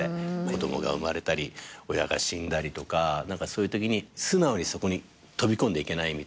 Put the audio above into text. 子供が生まれたり親が死んだりとかそういうときに素直にそこに飛び込んでいけないみたいな。